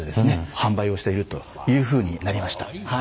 販売をしているというふうになりました。